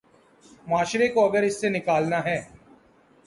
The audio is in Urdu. معاشرے کو اگر اس سے نکالنا ہے۔